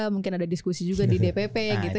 mungkin ada diskusi juga di dpp gitu